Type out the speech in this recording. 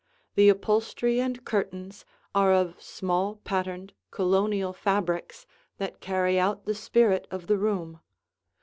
The upholstery and curtains are of small patterned, Colonial fabrics that carry out the spirit of the room.